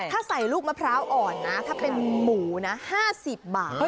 ถ้าใส่ลูกมะพร้าวอ่อนนะถ้าเป็นหมูนะ๕๐บาท